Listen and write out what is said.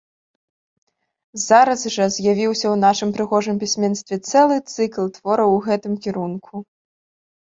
Зараз жа з'явіўся ў нашым прыгожым пісьменстве цэлы цыкл твораў у гэтым кірунку.